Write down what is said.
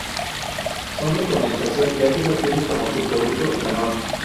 Son de condensación ya que se obtiene como subproducto etanol.